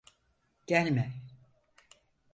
Gelme!